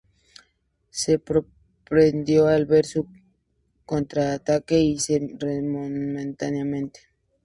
Se sorprendió al ver su contraataque y se retiró momentáneamente.